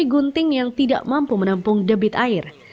sungai gunting yang tidak mampu menempung debit air